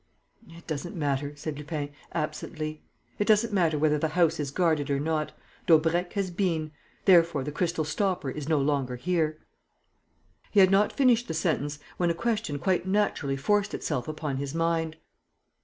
"It doesn't matter," said Lupin, absently. "It doesn't matter whether the house is guarded or not. Daubrecq has been; therefore the crystal stopper is no longer here." He had not finished the sentence, when a question quite naturally forced itself upon his mind.